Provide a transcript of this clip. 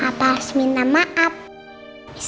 lupa kena dan lupa